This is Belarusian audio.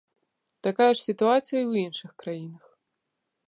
Такая ж сітуацыя і ў іншых краінах.